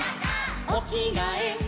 「おきがえ」